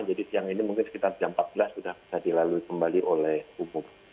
jadi siang ini mungkin sekitar jam empat belas sudah bisa dilalui kembali oleh umum